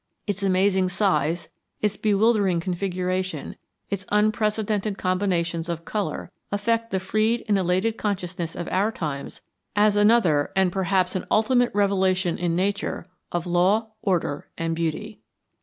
Its amazing size, its bewildering configuration, its unprecedented combinations of color affect the freed and elated consciousness of our times as another and perhaps an ultimate revelation in nature of law, order, and beauty.